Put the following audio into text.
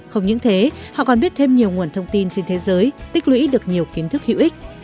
không những thế họ còn biết thêm nhiều nguồn thông tin trên thế giới tích lũy được nhiều kiến thức hữu ích